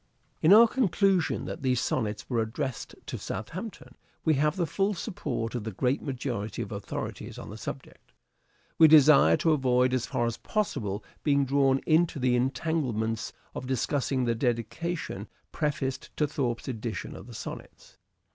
In our conclusion that these Sonnets were addressed to Southampton, we have the full support of the great majority of authorities on the subject. w. H. and We desire to avoid as far as possible being drawn Dedication.6 m*° tne entanglements of discussing the dedication prefaced to Thorpe's edition of the Sonnets.